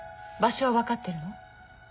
場所は分かってるの？